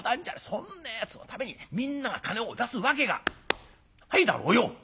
そんなやつのためにみんなが金を出すわけがないだろうよ！」。